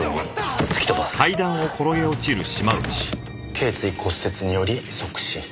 頸椎骨折により即死。